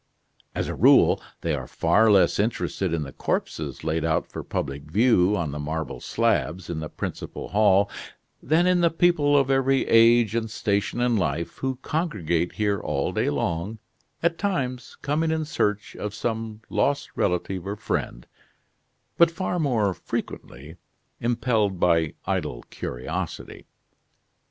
As a rule, they are far less interested in the corpses laid out for public view on the marble slabs in the principal hall than in the people of every age and station in life who congregate here all day long; at times coming in search of some lost relative or friend, but far more frequently impelled by idle curiosity.